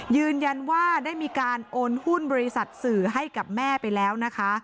ยืนยันว่าได้มีการโอนหุ้นบริษัทสื่อให้กับแม่ไปแล้วนะคะ